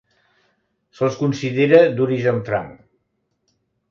Se'ls considera d'origen franc.